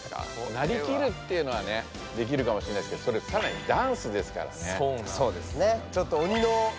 なりきるっていうのはねできるかもしれないですけどそれさらにダンスですからね。